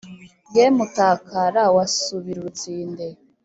ye mutakara wa subirutsinde